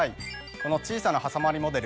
この小さなはさまりモデル